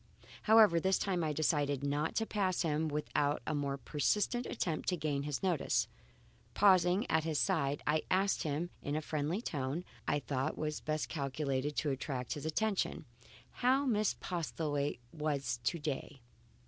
However, this time I decided not to pass him without a more persistent attempt to gain his notice. Pausing at his side, I asked him in the friendly tone I thought best calculated to attract his attention, how Miss Postlethwaite was to day.